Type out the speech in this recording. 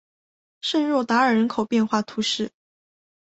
圣若达尔人口变化图示